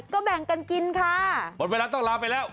ถึงเวลาเข้าห้อง